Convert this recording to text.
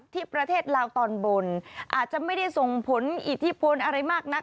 ที่ประเทศลาวตอนบนอาจจะไม่ได้ส่งผลอิทธิพลอะไรมากนัก